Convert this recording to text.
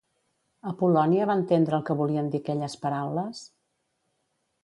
Apol·lònia va entendre el que volien dir aquelles paraules?